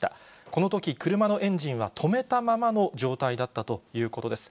このとき車のエンジンは止めたままの状態だったということです。